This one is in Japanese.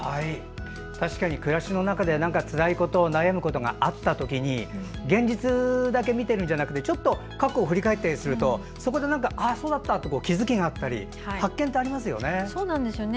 確かに暮らしの中でつらいこと悩むことがあった時に現実だけ見てるんじゃなくてちょっと過去を振り返ったりするとそうだったんだと気付きがあったり発見ってありますよね。